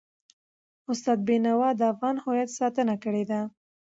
استاد بینوا د افغان هویت ستاینه کړې ده.